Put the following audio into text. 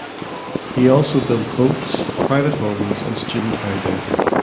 He also built boats, private homes and student housing.